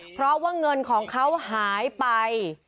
เพราะว่าเงินของเขาหายไป